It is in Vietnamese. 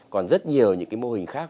còn rất nhiều những cái mô hình khác